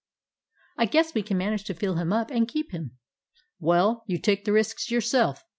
"I guess we can manage to fill him up, and keep him." "Well, you take the risks yourself.